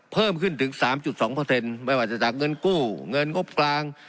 เพิ่มขึ้นถึง๓๒ไม่ว่าจะจากเงินกู้เงินงบกลาง